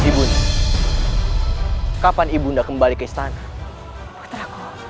ibunda kapan ibunda kembali ke istana